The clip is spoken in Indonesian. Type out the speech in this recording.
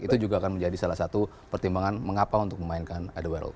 itu juga akan menjadi salah satu pertimbangan mengapa untuk memainkan adewearld